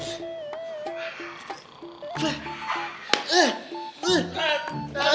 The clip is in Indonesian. sampai jumpa lagi